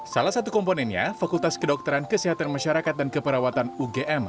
salah satu komponennya fakultas kedokteran kesehatan masyarakat dan keperawatan ugm